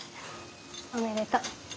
おめでと。